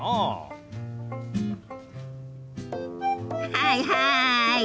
はいはい！